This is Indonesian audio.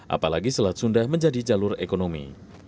apalagi selat sunda menjadi jalur ekonomi